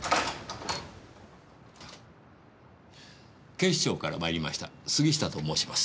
警視庁から参りました杉下と申します。